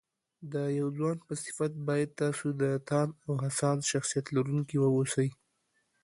د يو ځوان په صفت بايد تاسو د تاند او هڅاند شخصيت لرونکي واوسئ